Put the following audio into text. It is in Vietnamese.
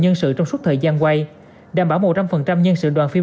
nhân sự trong suốt thời gian quay đảm bảo một trăm linh nhân sự đoàn phim